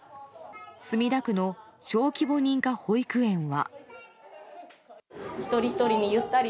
墨田区の小規模認可保育園は。